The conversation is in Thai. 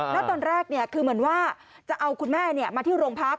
แล้วตอนแรกคือเหมือนว่าจะเอาคุณแม่มาที่โรงพัก